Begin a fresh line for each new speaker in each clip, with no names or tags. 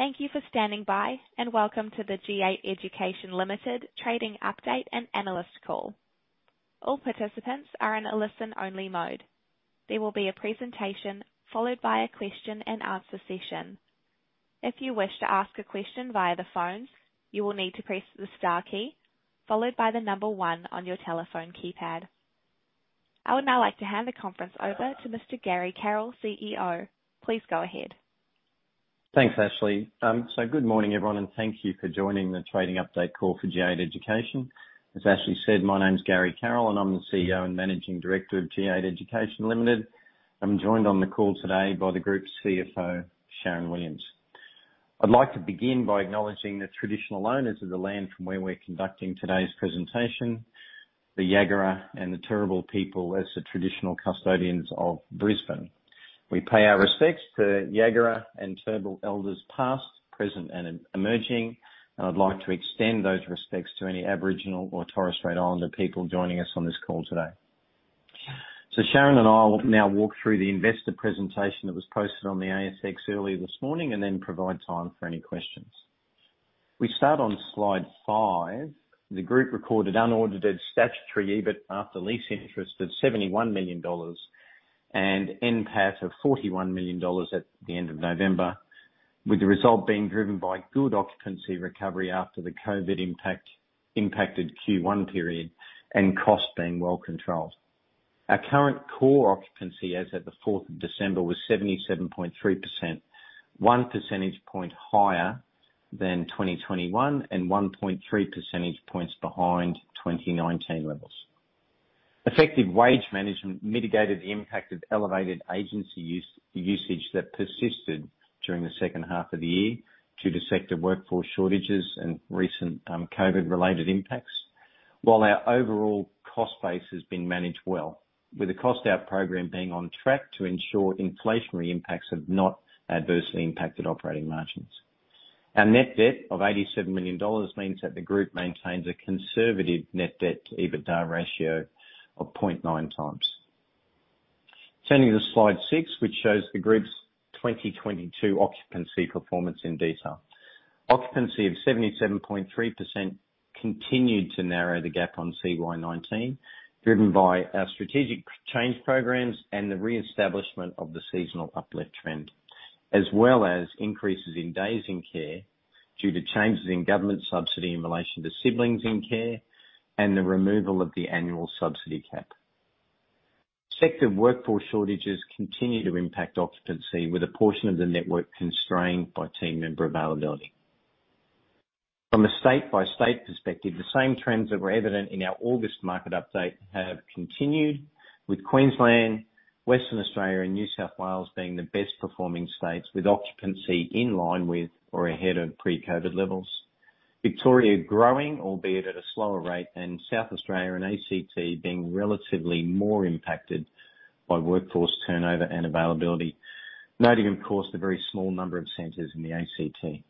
Thank you for standing by. Welcome to the G8 Education Limited trading update and analyst call. All participants are in a listen-only mode. There will be a presentation followed by a question and answer session. If you wish to ask a question via the phone, you will need to press the star key followed by the number one on your telephone keypad. I would now like to hand the conference over to Mr. Garry Carroll, CEO. Please go ahead.
Thanks, Ashley. Good morning, everyone, and thank you for joining the trading update call for G8 Education. As Ashley said, my name's Garry Carroll, and I'm the CEO and Managing Director of G8 Education Limited. I'm joined on the call today by the group CFO, Sharyn Williams. I'd like to begin by acknowledging the traditional owners of the land from where we're conducting today's presentation, the Jagera and the Turrbal people as the traditional custodians of Brisbane. We pay our respects to Jagera and Turrbal elders past, present, and emerging, and I'd like to extend those respects to any Aboriginal or Torres Strait Islander people joining us on this call today. Sharyn and I will now walk through the investor presentation that was posted on the ASX earlier this morning and then provide time for any questions. We start on slide 5. The group recorded unaudited statutory EBIT after lease interest of 71 million dollars and NPAT of 41 million dollars at the end of November, with the result being driven by good occupancy recovery after the COVID impacted Q1 period and costs being well controlled. Our current core occupancy as at the 4th of December was 77.3%, 1 percentage point higher than 2021 and 1.3 percentage points behind 2019 levels. Effective wage management mitigated the impact of elevated agency usage that persisted during the second half of the year due to sector workforce shortages and recent COVID-related impacts. Our overall cost base has been managed well, with the cost out program being on track to ensure inflationary impacts have not adversely impacted operating margins. Our net debt of AUD 87 million means that the group maintains a conservative net debt to EBITDA ratio of 0.9 times. Turning to slide 6, which shows the group's 2022 occupancy performance in detail. Occupancy of 77.3% continued to narrow the gap on CY19, driven by our strategic change programs and the reestablishment of the seasonal uplift trend. Increases in days in care due to changes in government subsidy in relation to siblings in care and the removal of the annual subsidy cap. Sector workforce shortages continue to impact occupancy, with a portion of the network constrained by team member availability. From a state-by-state perspective, the same trends that were evident in our August market update have continued, with Queensland, Western Australia, and New South Wales being the best performing states, with occupancy in line with or ahead of pre-COVID levels. Victoria growing, albeit at a slower rate, and South Australia and ACT being relatively more impacted by workforce turnover and availability. Noting, of course, the very small number of centers in the ACT.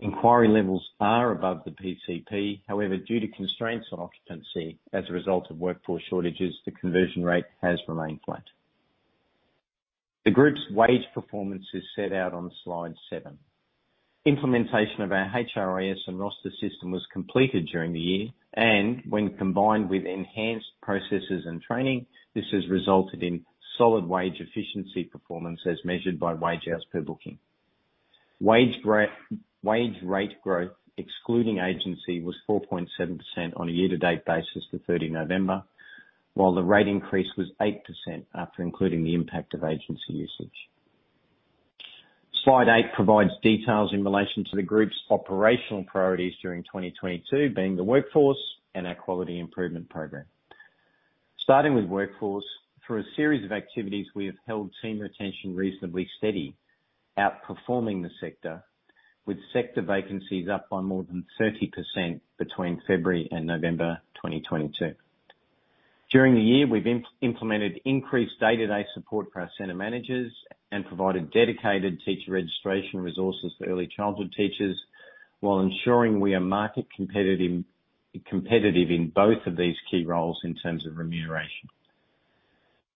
Inquiry levels are above the PCP. However, due to constraints on occupancy as a result of workforce shortages, the conversion rate has remained flat. The group's wage performance is set out on slide 7. Implementation of our HRIS and roster system was completed during the year and when combined with enhanced processes and training, this has resulted in solid wage efficiency performance as measured by wage hours per booking. Wage rate growth, excluding agency, was 4.7% on a year-to-date basis to 3rd of November, while the rate increase was 8% after including the impact of agency usage. Slide 8 provides details in relation to the group's operational priorities during 2022 being the workforce and our quality improvement program. Starting with workforce. Through a series of activities, we have held team retention reasonably steady, outperforming the sector, with sector vacancies up by more than 30% between February and November 2022. During the year, we've implemented increased day-to-day support for our center managers and provided dedicated teacher registration resources for early childhood teachers while ensuring we are market competitive in both of these key roles in terms of remuneration.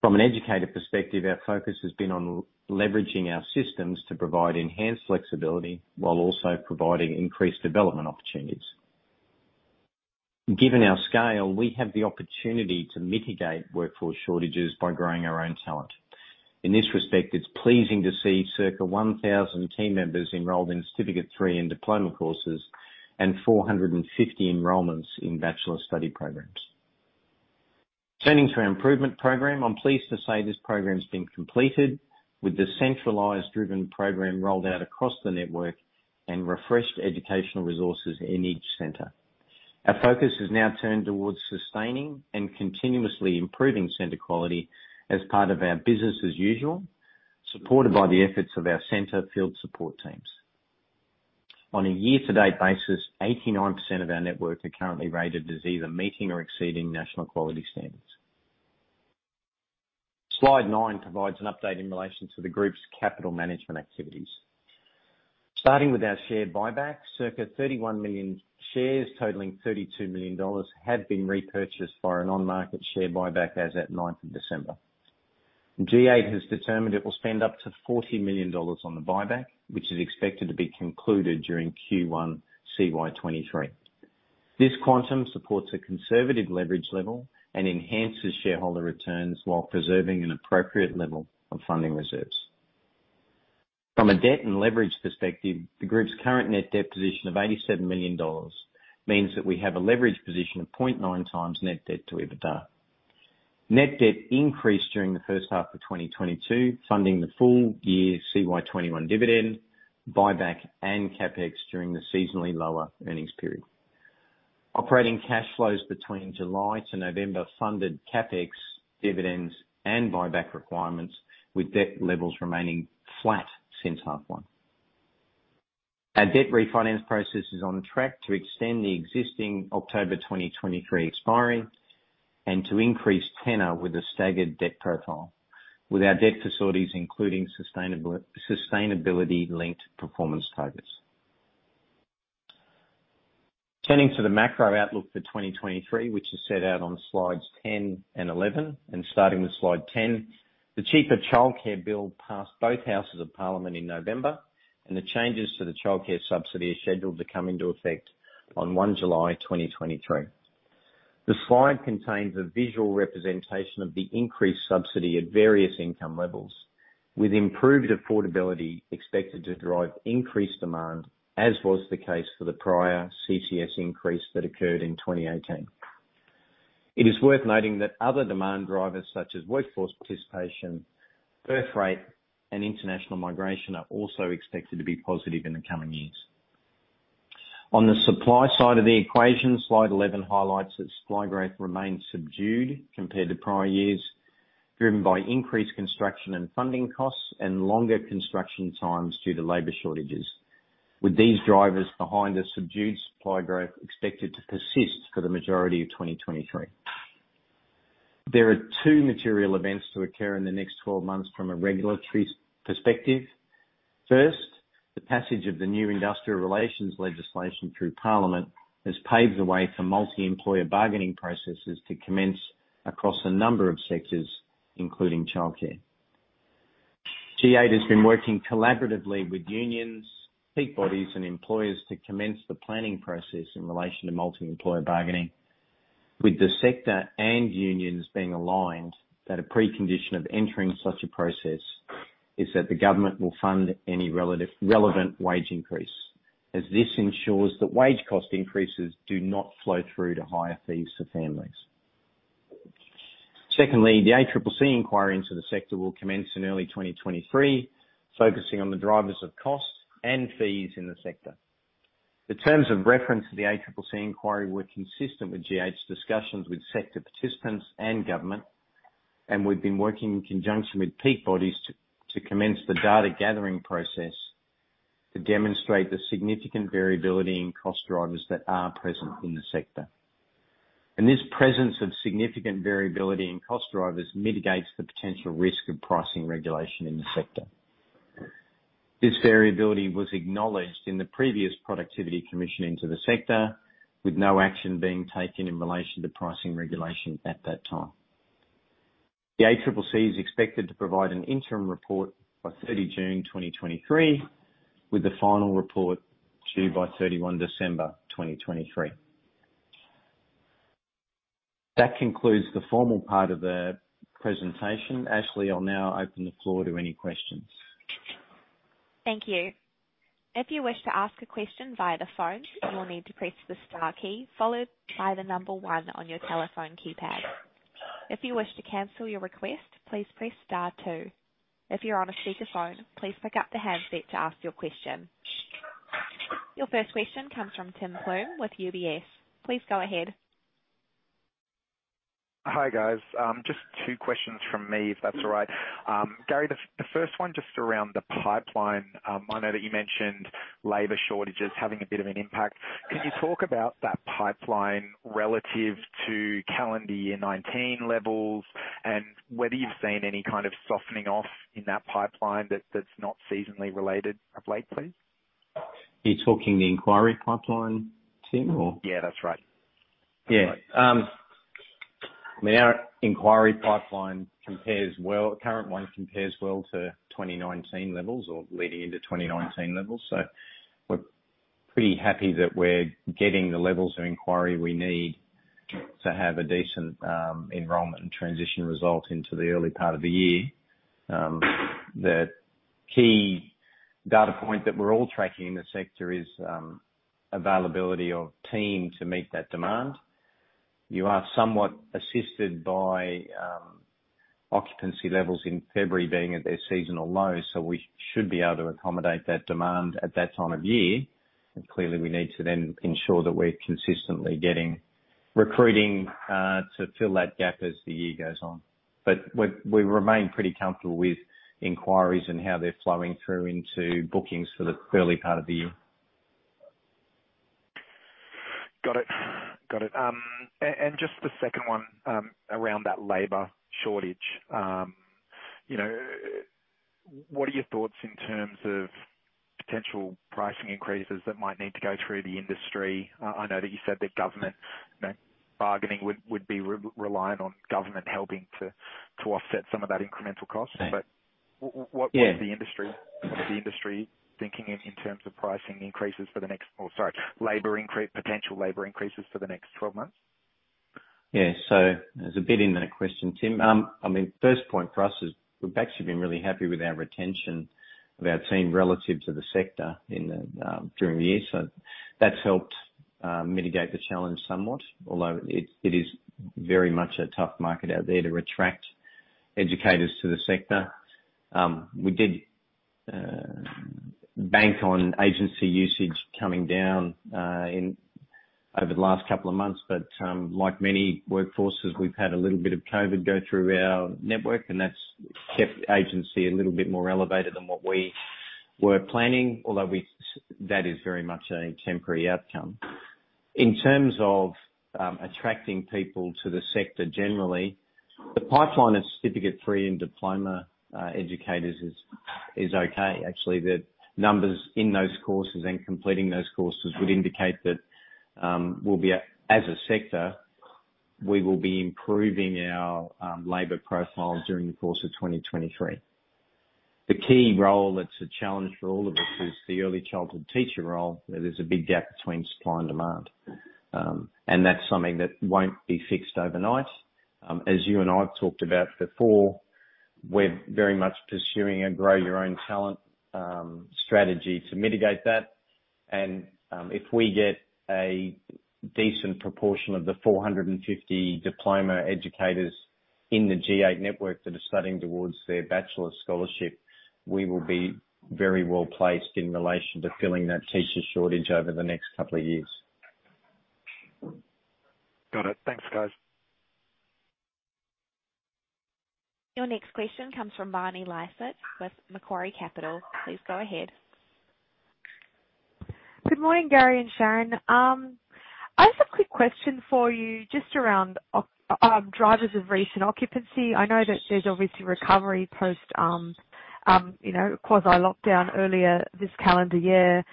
From an educator perspective, our focus has been on leveraging our systems to provide enhanced flexibility while also providing increased development opportunities. Given our scale, we have the opportunity to mitigate workforce shortages by growing our own talent. In this respect, it's pleasing to see circa 1,000 team members enrolled in Certificate III and diploma courses and 450 enrollments in bachelor study programs. Turning to our improvement program, I'm pleased to say this program's been completed with the centralized driven program rolled out across the network and refreshed educational resources in each center. Our focus has now turned towards sustaining and continuously improving center quality as part of our business as usual, supported by the efforts of our center field support teams. On a year-to-date basis, 89% of our network are currently rated as either meeting or exceeding national quality standards. Slide 9 provides an update in relation to the group's capital management activities. Starting with our share buyback, circa 31 million shares totaling 32 million dollars have been repurchased for an on-market share buyback as at 9th of December. G8 has determined it will spend up to 40 million dollars on the buyback, which is expected to be concluded during Q1 CY23. This quantum supports a conservative leverage level and enhances shareholder returns while preserving an appropriate level of funding reserves. From a debt and leverage perspective, the group's current net debt position of 87 million dollars means that we have a leverage position of 0.9 times net debt to EBITDA. Net debt increased during the first half of 2022, funding the full year CY21 dividend, buyback, and CapEx during the seasonally lower earnings period. Operating cash flows between July to November funded CapEx, dividends, and buyback requirements, with debt levels remaining flat since half 1. Our debt refinance process is on track to extend the existing October 2023 expiry and to increase tenor with a staggered debt profile, with our debt facilities including sustainability linked performance targets. Turning to the macro outlook for 2023, which is set out on slides 10 and 11, starting with slide 10. The cheaper childcare bill passed both houses of Parliament in November, the changes to the childcare subsidy are scheduled to come into effect on 1 July 2023. The slide contains a visual representation of the increased subsidy at various income levels, with improved affordability expected to drive increased demand, as was the case for the prior CCS increase that occurred in 2018. It is worth noting that other demand drivers such as workforce participation, birth rate, and international migration are also expected to be positive in the coming years. On the supply side of the equation, slide 11 highlights that supply growth remains subdued compared to prior years, driven by increased construction and funding costs and longer construction times due to labor shortages. With these drivers behind the subdued supply growth expected to persist for the majority of 2023. There are 2 material events to occur in the next 12 months from a regulatory perspective. First, the passage of the new industrial relations legislation through Parliament has paved the way for multi-employer bargaining processes to commence across a number of sectors, including childcare. G8 has been working collaboratively with unions, peak bodies, and employers to commence the planning process in relation to multi-employer bargaining, with the sector and unions being aligned that a precondition of entering such a process is that the government will fund any relevant wage increase, as this ensures that wage cost increases do not flow through to higher fees for families. The ACCC inquiry into the sector will commence in early 2023, focusing on the drivers of costs and fees in the sector. The terms of reference to the ACCC inquiry were consistent with G8's discussions with sector participants and government. We've been working in conjunction with peak bodies to commence the data gathering process to demonstrate the significant variability in cost drivers that are present in the sector. This presence of significant variability in cost drivers mitigates the potential risk of pricing regulation in the sector. This variability was acknowledged in the previous Productivity Commission into the sector, with no action being taken in relation to pricing regulation at that time. The ACCC is expected to provide an interim report by 30 June 2023, with the final report due by 31 December 2023. That concludes the formal part of the presentation. Ashley, I'll now open the floor to any questions.
Thank you. If you wish to ask a question via the phone, you will need to press the star key followed by the one on your telephone keypad. If you wish to cancel your request, please press star two. If you're on a speakerphone, please pick up the handset to ask your question. Your first question comes from Tim Plumbe with UBS. Please go ahead.
Hi, guys. just two questions from me, if that's all right. Garry, the first one just around the pipeline. I know that you mentioned labor shortages having a bit of an impact. Can you talk about that pipeline relative to calendar year 19 levels and whether you've seen any kind of softening off in that pipeline that's not seasonally related of late, please?
You're talking the inquiry pipeline, Tim, or?
Yeah, that's right.
Yeah. I mean, our inquiry pipeline current one compares well to 2019 levels or leading into 2019 levels. We're pretty happy that we're getting the levels of inquiry we need to have a decent enrollment and transition result into the early part of the year. The key data point that we're all tracking in the sector is availability of team to meet that demand. You are somewhat assisted by occupancy levels in February being at their seasonal low, so we should be able to accommodate that demand at that time of year. Clearly we need to then ensure that we're consistently getting recruiting to fill that gap as the year goes on. We, we remain pretty comfortable with inquiries and how they're flowing through into bookings for the early part of the year.
Got it. Just the second one, around that labor shortage, you know, what are your thoughts in terms of potential pricing increases that might need to go through the industry? I know that you said that government bargaining would be reliant on government helping to offset some of that incremental cost.
Yeah.
What is the industry thinking in terms of pricing increases for the next... Or sorry, potential labor increases for the next 12 months?
There's a bit in that question, Tim. I mean, first point for us is we've actually been really happy with our retention of our team relative to the sector in the during the year, so that's helped mitigate the challenge somewhat, although it is very much a tough market out there to attract educators to the sector. We did bank on agency usage coming down over the last couple of months. Like many workforces, we've had a little bit of COVID go through our network, and that's kept agency a little bit more elevated than what we were planning. Although that is very much a temporary outcome. In terms of attracting people to the sector generally, the pipeline of Certificate III and diploma educators is okay. Actually, the numbers in those courses and completing those courses would indicate that we'll be as a sector, we will be improving our labor profile during the course of 2023. The key role that's a challenge for all of us is the early childhood teacher role, where there's a big gap between supply and demand. That's something that won't be fixed overnight. As you and I've talked about before, we're very much pursuing a grow your own talent strategy to mitigate that. If we get a decent proportion of the 450 diploma educators in the G8 network that are studying towards their bachelor's scholarship, we will be very well placed in relation to filling that teacher shortage over the next couple of years.
Got it. Thanks, guys.
Your next question comes from Marni Lysaght with Macquarie Capital. Please go ahead.
Good morning, Garry and Sharyn. I have a quick question for you just around drivers of recent occupancy. I know that there's obviously recovery post, you know, quasi lockdown earlier this calendar year.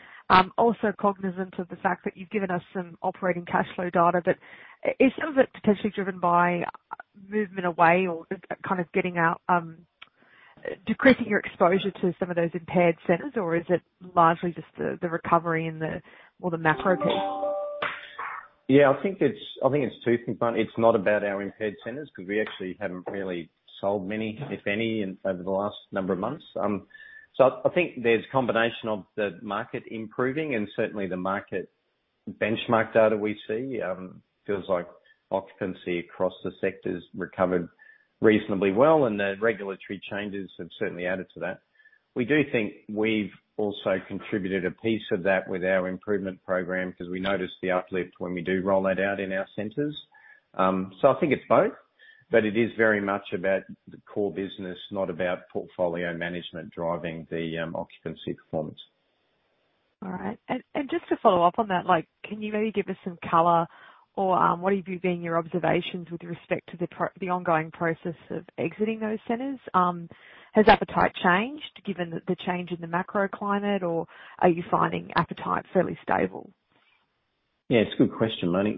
Also cognizant of the fact that you've given us some operating cash flow data, is some of it potentially driven by movement away or kind of getting out, decreasing your exposure to some of those impaired centers, or is it largely just the recovery and the... or the macro piece?
I think it's, I think it's two things, Barney. It's not about our impaired centers, 'cause we actually haven't really sold many, if any, over the last number of months. I think there's combination of the market improving and certainly the market benchmark data we see, feels like occupancy across the sectors recovered reasonably well, and the regulatory changes have certainly added to that. We do think we've also contributed a piece of that with our improvement program because we noticed the uplift when we do roll that out in our centers. I think it's both, but it is very much about the core business, not about portfolio management driving the occupancy performance.
All right. Just to follow up on that, like can you maybe give us some color or, what have you been your observations with respect to the ongoing process of exiting those centers? Has appetite changed given the change in the macro climate, or are you finding appetite fairly stable?
Yeah, it's a good question, Barney.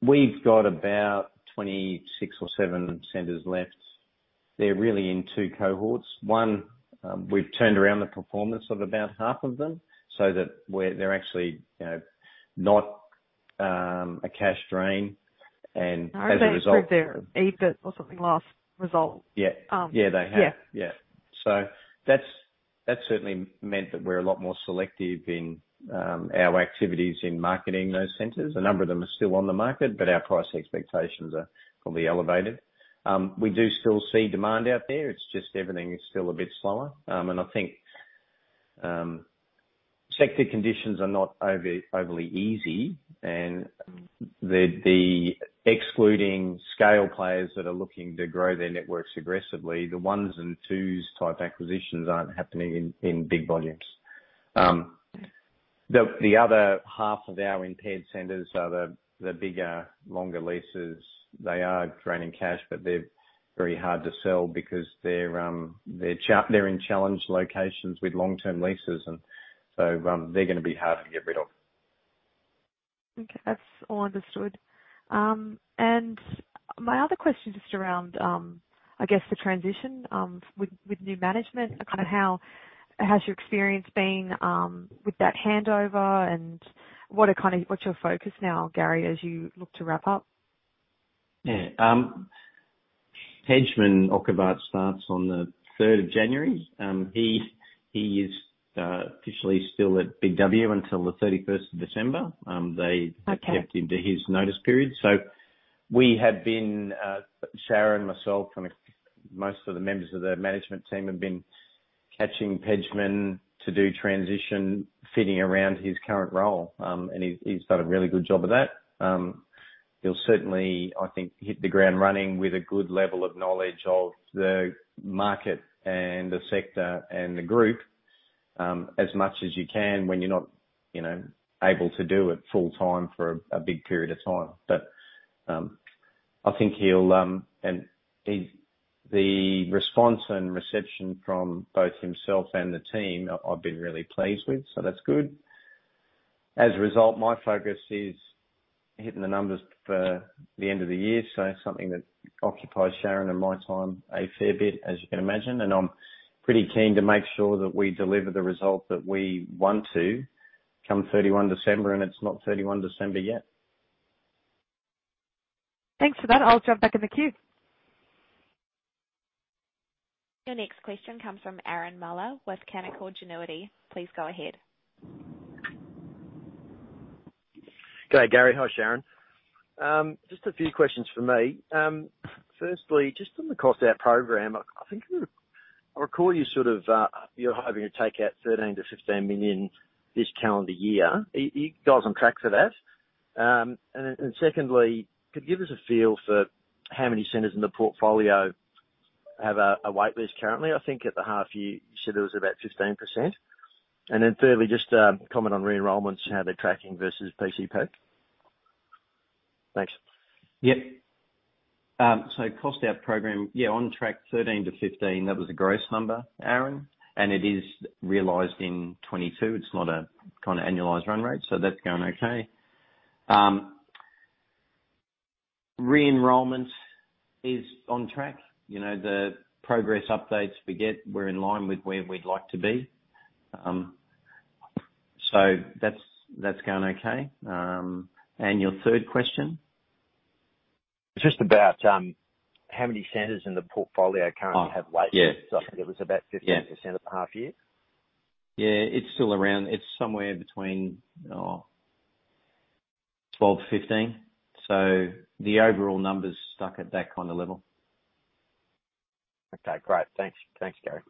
We've got about 26 or 7 centers left. They're really in two cohorts. One, we've turned around the performance of about half of them so that they're actually, you know, not a cash drain. As a result-
I heard they improved their EBIT or something last result.
Yeah.
Um.
Yeah, they have.
Yeah.
Yeah. That's, that's certainly meant that we're a lot more selective in our activities in marketing those centers. A number of them are still on the market, our price expectations are probably elevated. We do still see demand out there. It's just everything is still a bit slower. And I think sector conditions are not overly easy and the excluding scale players that are looking to grow their networks aggressively, the ones and twos type acquisitions aren't happening in big volumes. The other half of our impaired centers are the bigger longer leases. They are draining cash, but they're very hard to sell because they're in challenged locations with long-term leases and so they're gonna be hard to get rid of.
Okay, that's all understood. My other question just around, I guess the transition, with new management and kind of how's your experience been, with that handover and what's your focus now, Gary, as you look to wrap up?
Yeah. Pejman Okhovat starts on the third of January. He is officially still at BIG W until the 31st of December.
Okay.
Kept him to his notice period. We have been, Sharyn, myself, and most of the members of the management team have been catching Pejman to do transition, fitting around his current role. He's done a really good job of that. He'll certainly, I think, hit the ground running with a good level of knowledge of the market and the sector and the group. As much as you can when you're not, you know, able to do it full-time for a big period of time. I think he'll, the response and reception from both himself and the team, I've been really pleased with, so that's good. As a result, my focus is hitting the numbers for the end of the year. Something that occupies Sharyn and my time a fair bit, as you can imagine, and I'm pretty keen to make sure that we deliver the result that we want to come 31 December, and it's not 31 December yet.
Thanks for that. I'll jump back in the queue.
Your next question comes from Aaron Muller with Canaccord Genuity. Please go ahead.
Good day, Garry. Hi, Sharyn. Just a few questions from me. Firstly, just on the cost out program, I recall you sort of, you're hoping to take out 13 million-15 million this calendar year. Are you guys on track for that? Secondly, could you give us a feel for how many centers in the portfolio have a waitlist currently? I think at the half year you said it was about 15%. Thirdly, just comment on re-enrollments and how they're tracking versus PCP. Thanks.
Yep. Cost out program, yeah, on track 13-15. That was a gross number, Aaron, it is realized in 2022. It's not a kind of annualized run rate, that's going okay. Re-enrollment is on track. You know, the progress updates we get were in line with where we'd like to be. That's going okay. Your third question?
Just about, how many centers in the portfolio currently?
Oh.
have waitlists.
Yeah.
I think it was about 15% at the half year.
Yeah, it's still around. It's somewhere between 12 to 15. The overall number's stuck at that kind of level.
Okay, great. Thanks. Thanks, Garry.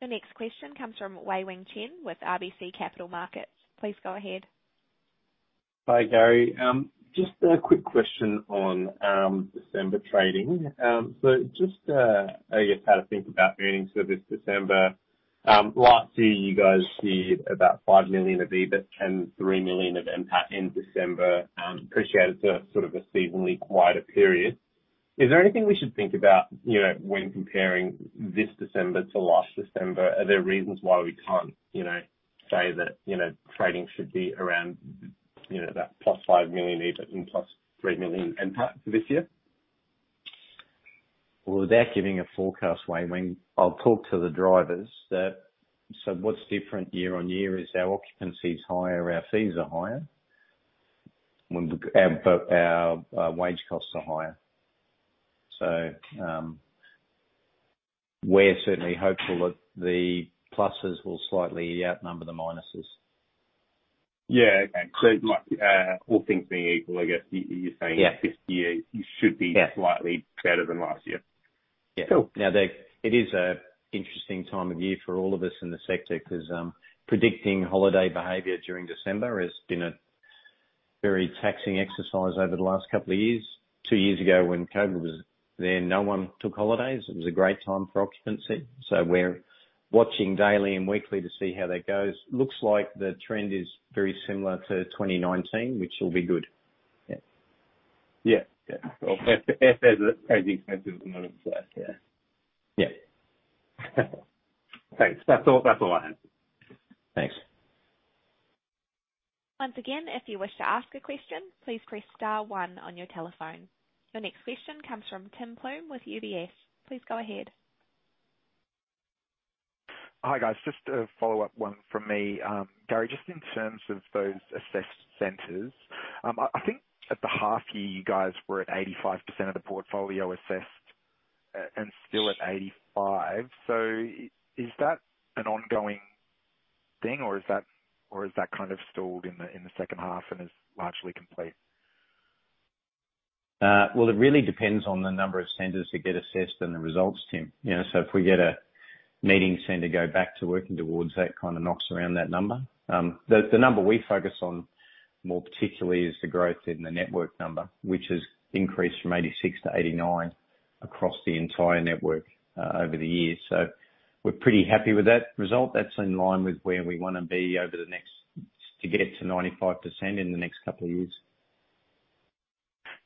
The next question comes from Wei-Weng Chen with RBC Capital Markets. Please go ahead.
Hi, Garry. Just a quick question on December trading. Just, I guess how to think about earnings for this December, last year you guys seed about $5 million of EBIT and $3 million of NPAT in December, appreciated to sort of a seasonally quieter period. Is there anything we should think about, you know, when comparing this December to last December? Are there reasons why we can't, you know, say that, you know, trading should be around, you know, that plus $5 million EBIT and plus $3 million NPAT for this year?
Without giving a forecast, Wei-Weng, I'll talk to the drivers that. What's different year-on-year is our occupancy is higher, our fees are higher when our wage costs are higher. We're certainly hopeful that the pluses will slightly outnumber the minuses.
Yeah. Okay. Like, all things being equal, I guess you're saying.
Yeah.
this year you should be-
Yeah.
slightly better than last year?
Yeah.
Cool.
Now, it is a interesting time of year for all of us in the sector 'cause, predicting holiday behavior during December has been a very taxing exercise over the last couple of years. Two years ago, when COVID was there, no one took holidays. It was a great time for occupancy. We're watching daily and weekly to see how that goes. Looks like the trend is very similar to 2019, which will be good. Yeah.
Yeah. Yeah. Cool. If there's a crazy expensive amount of flight, yeah.
Yeah.
Thanks. That's all I have.
Thanks.
Once again, if you wish to ask a question, please press star one on your telephone. Your next question comes from Tim Plumbe with UBS. Please go ahead.
Hi, guys. Just a follow-up one from me. Garry, just in terms of those assessed centers, I think at the half year you guys were at 85% of the portfolio assessed, and still at 85. Is that an ongoing thing or is that kind of stalled in the second half and is largely complete?
Well, it really depends on the number of centers that get assessed and the results, Tim. You know, if we get a meeting center go back to working towards that kind of knocks around that number. The number we focus on more particularly is the growth in the network number, which has increased from 86 to 89 across the entire network over the year. We're pretty happy with that result. That's in line with where we wanna be over the next to get to 95% in the next couple of years.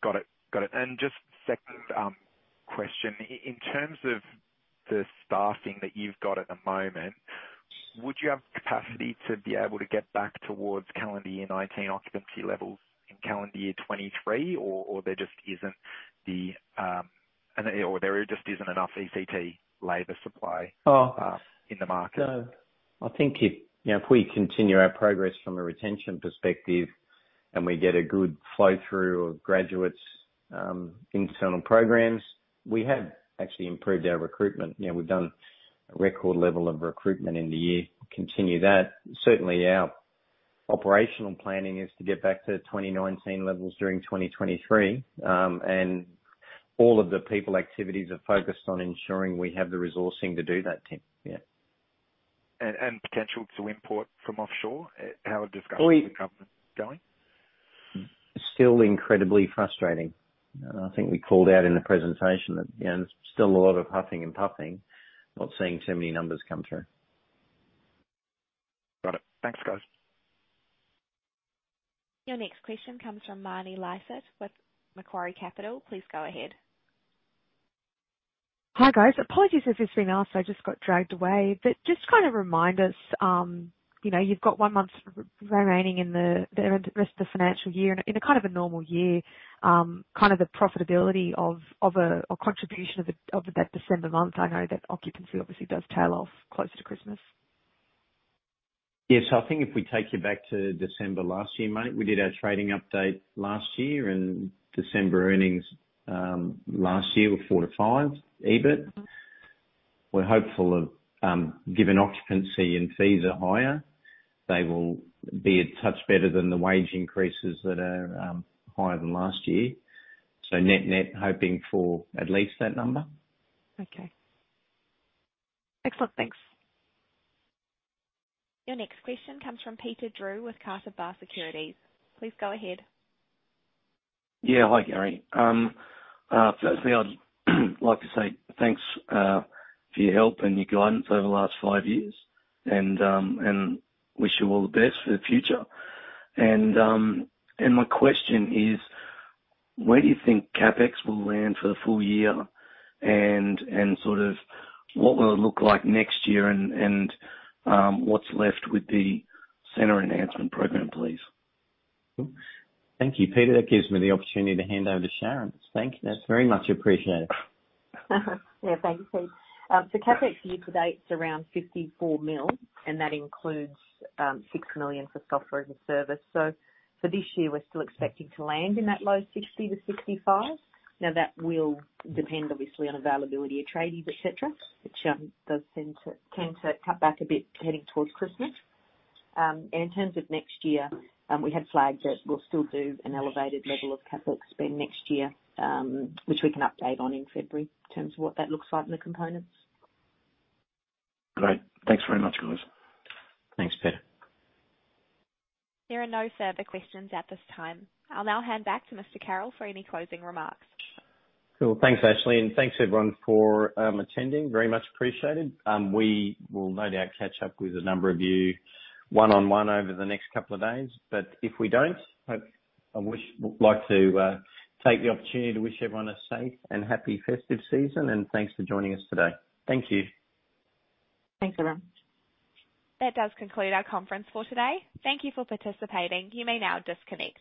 Got it. Got it. Just second question. In terms of the staffing that you've got at the moment, would you have capacity to be able to get back towards calendar year 2019 occupancy levels in calendar year 2023, or there just isn't enough ECT labor supply?
Oh.
In the market?
I think if, you know, if we continue our progress from a retention perspective and we get a good flow through of graduates, internal programs, we have actually improved our recruitment. You know, we've done a record level of recruitment in the year, continue that. Certainly our operational planning is to get back to 2019 levels during 2023, and all of the people activities are focused on ensuring we have the resourcing to do that, Tim. Yeah.
Potential to import from offshore, how are discussions with the government going?
Still incredibly frustrating. I think we called out in the presentation that, you know, there's still a lot of huffing and puffing, not seeing too many numbers come through.
Got it. Thanks, guys.
Your next question comes from Marni Lysaght with Macquarie Capital. Please go ahead.
Hi, guys. Apologies if this has been asked, I just got dragged away. Just to kind of remind us, you know, you've got one month remaining in the rest of the financial year and in a kind of a normal year, kind of the profitability of a contribution of that December month. I know that occupancy obviously does tail off closer to Christmas.
Yes. I think if we take you back to December last year, Marnie, we did our trading update last year and December earnings last year were 4-5 EBIT. We're hopeful of given occupancy and fees are higher, they will be a touch better than the wage increases that are higher than last year. Net-net, hoping for at least that number.
Okay. Excellent. Thanks.
Your next question comes from Peter Drew with Carter Bar Securities. Please go ahead.
Hi, Garry. Firstly, I'd like to say thanks for your help and your guidance over the last five years and wish you all the best for the future. My question is, where do you think CapEx will land for the full year? Sort of what will it look like next year and what's left with the center enhancement program, please?
Thank you, Peter. That gives me the opportunity to hand over to Sharyn. Thank you. That's very much appreciated.
Thank you, Peter. CapEx year to date is around 54 million, and that includes 6 million for software as a service. For this year, we're still expecting to land in that low 60 million-65 million. That will depend obviously on availability of tradies, et cetera, which does tend to cut back a bit heading towards Christmas. In terms of next year, we have flagged that we'll still do an elevated level of CapEx spend next year, which we can update on in February in terms of what that looks like in the components.
Great. Thanks very much, guys.
Thanks, Peter.
There are no further questions at this time. I'll now hand back to Mr. Carroll for any closing remarks.
Cool. Thanks, Ashley, and thanks, everyone, for attending. Very much appreciated. We will no doubt catch up with a number of you one-on-one over the next couple of days, but if we don't, would like to take the opportunity to wish everyone a safe and happy festive season and thanks for joining us today. Thank you.
Thanks, everyone.
That does conclude our conference for today. Thank you for participating. You may now disconnect.